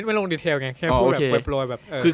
แต่ไม่ลงดีเทลไงแค่พูดแบบปล่อย